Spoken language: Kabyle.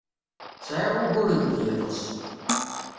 Sɛiɣ uguren d yiḍes.